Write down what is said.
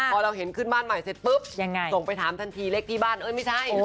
พอเราเห็นขึ้นบ้านใหม่เสร็จปุ๊บส่งไปถามทันทีเลขที่บ้านเอ้ยไม่ใช่